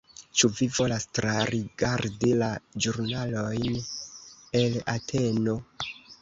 Ĉu vi volas trarigardi la ĵurnalojn el Ateno?